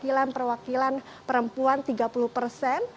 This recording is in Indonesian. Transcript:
sembilan perwakilan perempuan tiga puluh persen